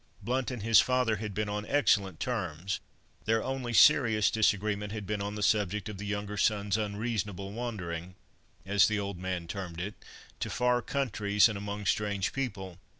Blount and his father had been on excellent terms; their only serious disagreement had been on the subject of the younger son's unreasonable wandering—as the old man termed it—to far countries and among strange people.